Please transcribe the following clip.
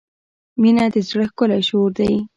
• مینه د زړۀ ښکلی شور دی.